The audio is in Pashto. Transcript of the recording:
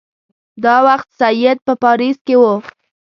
دا وخت سید په پاریس کې وو.